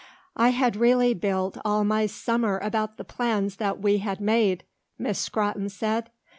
"I had really built all my summer about the plans that we had made," Miss Scrotton said.